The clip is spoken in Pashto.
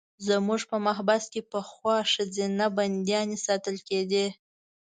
زموږ په محبس کې پخوا ښځینه بندیانې ساتل کېدې.